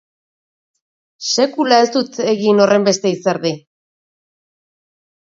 Sekula ez dut egin horrenbeste izerdi!